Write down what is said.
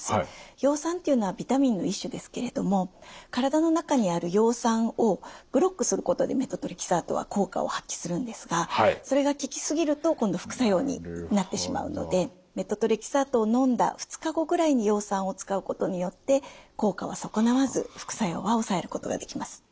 葉酸というのはビタミンの一種ですけれども体の中にある葉酸をブロックすることでメトトレキサートは効果を発揮するんですがそれが効き過ぎると今度副作用になってしまうのでメトトレキサートをのんだ２日後ぐらいに葉酸を使うことによって効果は損なわず副作用は抑えることができます。